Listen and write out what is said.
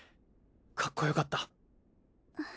かっこよかった！